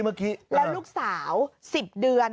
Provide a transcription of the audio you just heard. แล้วลูกสาว๑๐เดือน